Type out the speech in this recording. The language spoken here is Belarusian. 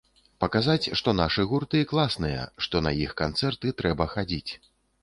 Паказаць, што нашы гурты класныя, што на іх канцэрты трэба хадзіць.